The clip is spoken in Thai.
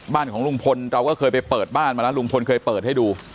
บ้านของลุงพลเราก็เคยไปเปิดบ้านมาแล้วลุงพลเคยเปิดให้ดู